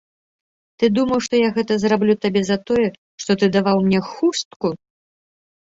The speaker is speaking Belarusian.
Ты думаў, што я гэта зраблю табе за тое, што ты даваў мне хустку?